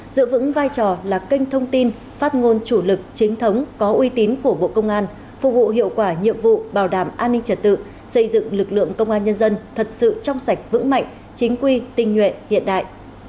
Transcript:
giữ vững vai trò là kênh thông tin phát ngôn chủ lực chính thống có uy tín của bộ công an phục vụ hiệu quả nhiệm vụ bảo đảm an ninh trật tự xây dựng lực lượng công an nhân dân thật sự trong sạch vững mạnh chính quy tinh nhuệ hiện đại